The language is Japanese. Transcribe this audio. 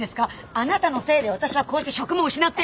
あなたのせいで私はこうして職も失って！